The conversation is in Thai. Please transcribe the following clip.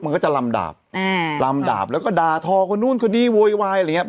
มันก็จะลำดาบแล้วก็ด่าทอต์พอโดนคนนี้โวยวาย